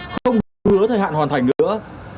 không hứa thời hạn hoàn thành nữa